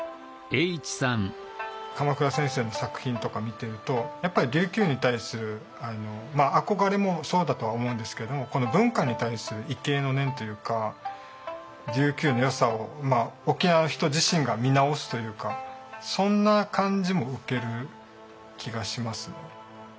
鎌倉先生の作品とか見てるとやっぱり琉球に対する憧れもそうだとは思うんですけれども文化に対する畏敬の念というか琉球のよさを沖縄の人自身が見直すというかそんな感じも受ける気がしますね。